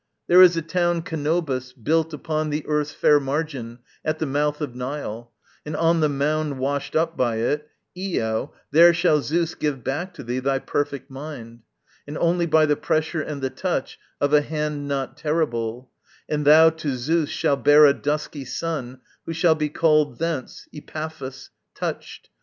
There is a town Canobus, built upon The earth's fair margin at the mouth of Nile And on the mound washed up by it; Io, there Shall Zeus give back to thee thy perfect mind, And only by the pressure and the touch Of a hand not terrible; and thou to Zeus Shalt bear a dusky son who shall be called Thence, Epaphus, Touched.